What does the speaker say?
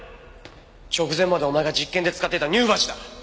直前までお前が実験で使ってた乳鉢だ。